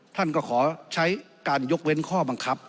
ท่านก็ขอใช้การยกเว้นข้อบังคับ